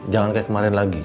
jangan kayak kemarin lagi